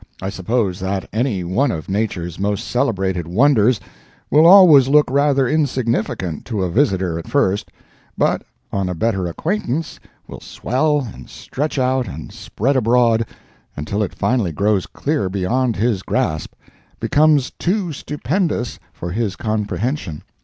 I suppose that any one of nature's most celebrated wonders will always look rather insignificant to a visitor at first, but on a better acquaintance will swell and stretch out and spread abroad, until it finally grows clear beyond his grasp—becomes too stupendous for his comprehension.